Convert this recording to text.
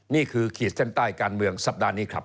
ขีดเส้นใต้การเมืองสัปดาห์นี้ครับ